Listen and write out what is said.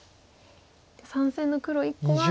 ３線の黒１個は。